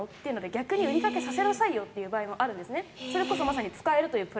逆に売り掛けさせなさいよという場合もあるんですね。